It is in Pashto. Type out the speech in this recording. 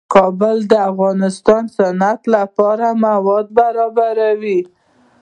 کابل د افغانستان د صنعت لپاره مواد برابروي.